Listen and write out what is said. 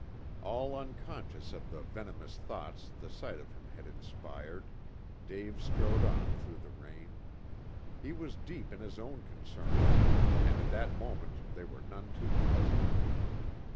All unconscious of the venomous thoughts the sight of him had inspired, Dave strode on through the rain. He was deep in his own concerns, and at that moment they were none too pleasant.